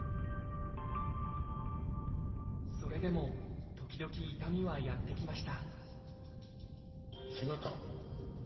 それでも時々痛みはやって来ました